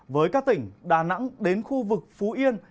với các tỉnh đà nẵng đến khu vực phú yên